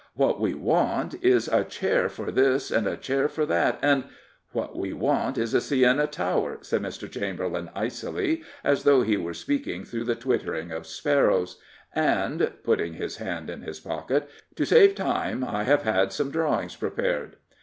'* What we want is a chair for this and a chair for that, and " What we want is a Siena tower, said Mr. Chamber lain icily, as though he were speaking through the twittering of sparrows, and — putting his hand in his pocket —" to save time I have had some drawings prepared.